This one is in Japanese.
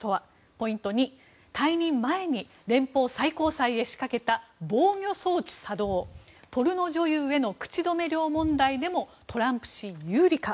ポイント２退任前に連邦最高裁へ仕掛けた防御装置作動ポルノ女優への口止め料問題でもトランプ氏有利か？